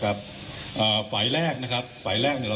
คุณผู้ชมไปฟังผู้ว่ารัฐกาลจังหวัดเชียงรายแถลงตอนนี้ค่ะ